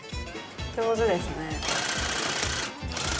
上手ですね。